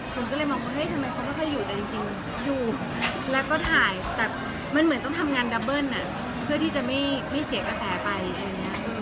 คนก็เลยมองว่าเฮ้ยทำไมเขาไม่ค่อยอยู่แต่จริงอยู่แล้วก็ถ่ายแต่มันเหมือนต้องทำงานดับเบิ้ลเพื่อที่จะไม่เสียกระแสไปอะไรอย่างนี้